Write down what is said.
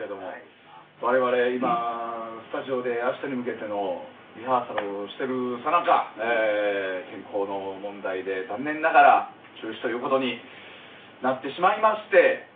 我々今スタジオで明日に向けてのリハーサルをしてるさなか天候の問題で残念ながら中止という事になってしまいまして。